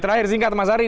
terakhir singkat mas ari